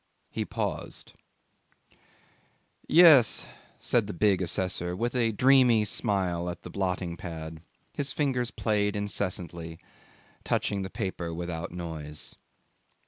He paused. 'Yes,' said the big assessor, with a dreamy smile at the blotting pad; his fingers played incessantly, touching the paper without noise.